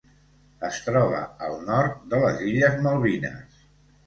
Es troba al nord de les illes Malvines.